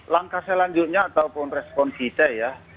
langkah selanjutnya ataupun respon kita ya